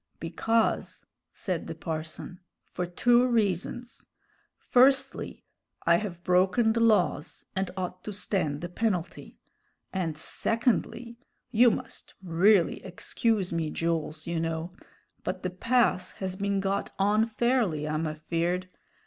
"Because," said the parson, "for two reasons: firstly, I have broken the laws, and ought to stand the penalty; and secondly you must really excuse me, Jools, you know, but the pass has been got onfairly, I'm afeerd.